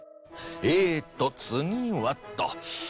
えーっと次はと。